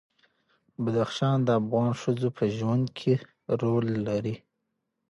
بدخشان د افغان ښځو په ژوند کې رول لري.